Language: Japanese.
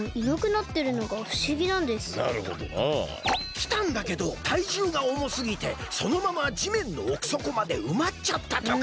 きたんだけどたいじゅうがおもすぎてそのままじめんのおくそこまでうまっちゃったとか。